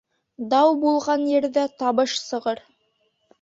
Дау булған ерҙә табыш сығыр